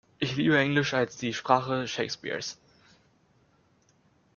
Ich liebe Englisch als die Sprache Shakespeares.